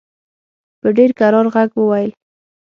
په ډېر کرار ږغ وویل.